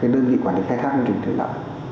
đơn vị quản lý khai thác nguồn nước thủy lợi